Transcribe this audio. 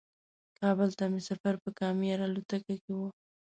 کابل ته مې سفر په کام ایر الوتکه کې و.